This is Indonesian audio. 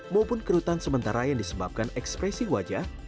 maupun kerutan sementara yang disebabkan ekspresi wajah